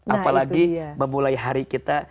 apalagi memulai hari kita